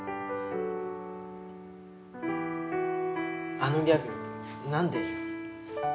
あのギャグなんで？